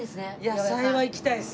野菜は行きたいです。